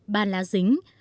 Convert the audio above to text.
ba lá dính